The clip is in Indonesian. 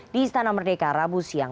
di istana merdeka rabu siang